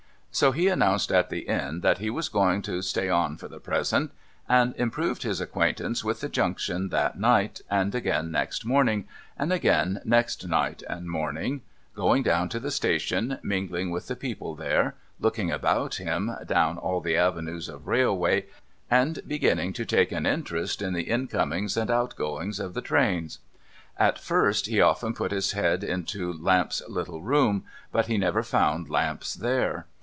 * So, he announced at the Inn that he was ' going to stay on for the present,' and improved his acquaintance with the Junction that night, and again next morning, and again next night and morning : going down to the station, mingling with the people there, looking about him down all the avenues of railway, and beginning to take an interest in the incomings and outgoings of the trains. At first, he often put his head into Lamps's little room, but he never found Lamps there.